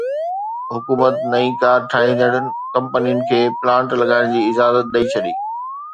حڪومت نئين ڪار ٺاهيندڙ ڪمپنين کي پلانٽ لڳائڻ جي اجازت ڏئي ڇڏي